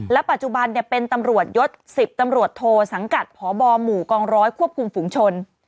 ปัจจุบันเป็นตำรวจยศ๑๐ตำรวจโทสังกัดพบหมู่กองร้อยควบคุมฝุงชน